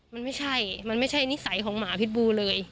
มันไม่ใช่มันไม่ใช่นิสัยของหมาพิษบูเลย